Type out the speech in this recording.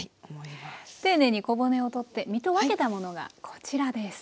丁寧に小骨を取って身と分けたものがこちらです。